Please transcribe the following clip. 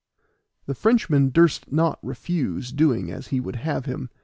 The Frenchman durst not refuse doing as he would have him.